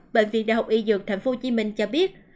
bệnh viện đại học y dược tp hcm cho biết